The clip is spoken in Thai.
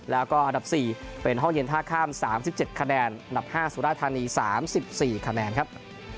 แล้วก็อันดับสี่เป็นห้องเย็นท่าข้ามสามสิบเจ็ดคะแนนอันดับห้าศูนย์ราธานีสามสิบสี่คะแนนครับ